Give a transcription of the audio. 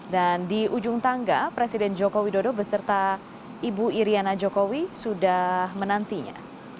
dan di ujung tangga presiden jokowi dodo beserta ibu iryana jokowi sudah menantinya